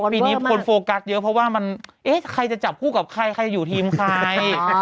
ปีนี้คนโฟกัสเยอะเพราะว่ามันเอ๊ะใครจะจับคู่กับใครใครอยู่ทีมใคร